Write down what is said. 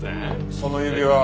その指輪